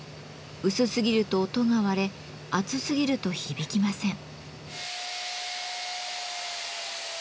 薄すぎると音が割れ厚すぎると響きません。